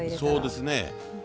そうですね。